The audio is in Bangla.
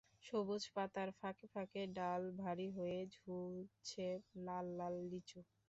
সবুজ পাতার ফাঁকে ফাঁকে ডাল ভারী হয়ে ঝুলছে লাল লাল লিচু।